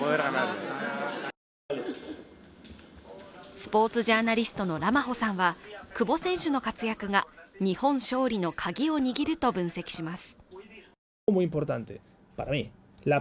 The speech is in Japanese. スポーツジャーナリストのラマホさんは久保選手の活躍が日本勝利のカギを握ると分析します